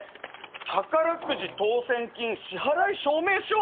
「宝くじ当選金支払い証明書」？